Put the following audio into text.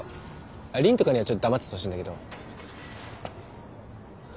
あ凜とかにはちょっと黙っててほしいんだけど。